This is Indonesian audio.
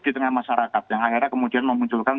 di tengah masyarakat yang akhirnya kemudian memunculkan